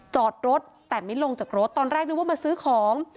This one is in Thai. จอดรถแต่ไม่ลงจากรถตอนแรกนึกว่ามาซื้อของ